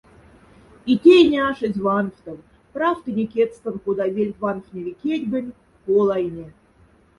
И тейне ашезь ванфтов— прафтыне кядьстон кода вельф ванфневи кядьгонь, колайне.